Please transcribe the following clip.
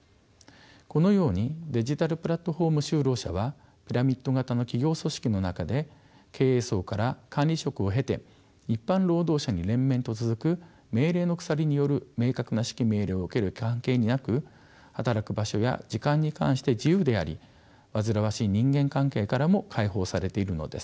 このようにデジタルプラットフォーム就労者はピラミッド型の企業組織の中で経営層から管理職を経て一般労働者に連綿と続く命令の鎖による明確な指揮命令を受ける関係になく働く場所や時間に関して自由であり煩わしい人間関係からも解放されているのです。